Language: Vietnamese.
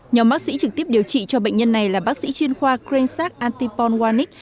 nhóm bác sĩ trực tiếp điều trị cho bệnh nhân này là bác sĩ chuyên khoa krensak antipornwanik